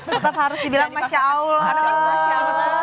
tetep harus dibilang masya allah